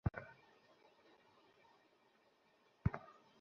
প্যারিসে হানিমুন করা।